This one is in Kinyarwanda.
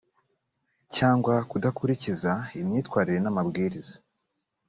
cyangwa kudakurikiza imyitwarire n amabwiriza